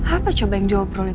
apa coba yang dia obrolin